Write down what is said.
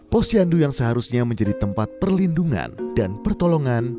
posyandu yang seharusnya menjadi tempat perlindungan dan pertolongan